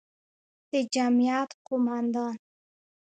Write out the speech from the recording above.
د جمعیت قوماندان،